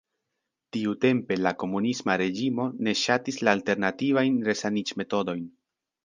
Tiutempe la komunisma reĝimo ne ŝatis la alternativajn resaniĝmetodojn.